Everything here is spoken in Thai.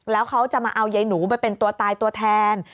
แล้วเขาจะมาเอายายหนูไปเป็นตัวตายตัวแทน